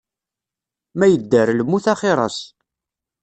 Ma yedder, lmut axir-as.